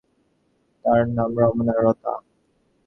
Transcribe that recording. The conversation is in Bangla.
তার নাম রমনা রতা।